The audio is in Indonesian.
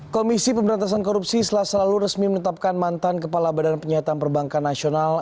komisi pemberantasan korupsi selasa lalu resmi menetapkan mantan kepala badan penyihatan perbankan nasional